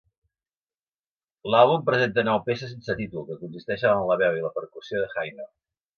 L'àlbum presenta nou peces sense títol, que consisteixen en la veu i la percussió de Haino.